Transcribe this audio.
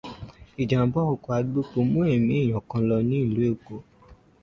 Ìjàmbá ọkọ̀ agbépo mú ẹ̀mí ènìyàn kan lọ ní ìlú Èkó.